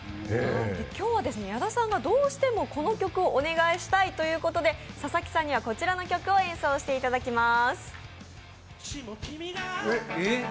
今日はですね、矢田さんがどうしてもこの曲をお願いしたいということで佐々木さんには、こちらの曲を演奏していただきます。